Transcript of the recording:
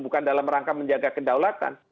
bukan dalam rangka menjaga kedaulatan